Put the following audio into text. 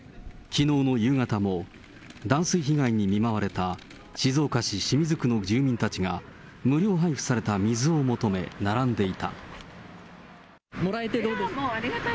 きのうの夕方も、断水被害に見舞われた静岡市清水区の住民たちが無料配布された水もらえてどうですか。